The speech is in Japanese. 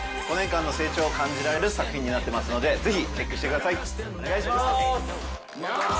５年間の成長を感じられる作品になってますのでぜひチェックしてください。